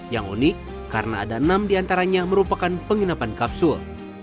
yang unik karena ada enam diantaranya merupakan penginapan kapsul